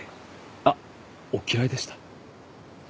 あっお嫌いでした？